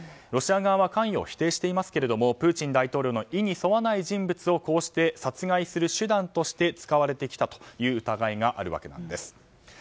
ロシア側は関与を否定していますがプーチン大統領の意に沿わない人物をこうして殺害する手段として使われてきたという疑いがあるわけなんです。